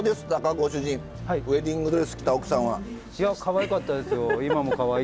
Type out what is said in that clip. ご主人ウエディングドレス着た奥さんは。